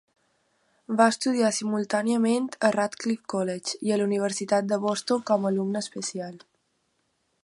Va estudiar simultàniament a Radcliffe College i a la universitat de Boston com a alumne especial.